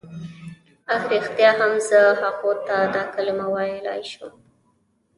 اه ریښتیا هم زه هغو ته دا کله ویلای شم.